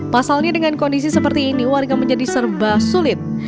pasalnya dengan kondisi seperti ini warga menjadi serba sulit